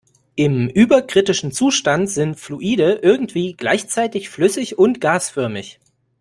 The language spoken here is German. Im überkritischen Zustand sind Fluide irgendwie gleichzeitig flüssig und gasförmig.